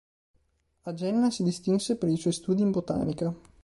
A Jena si distinse per i suoi studi in botanica.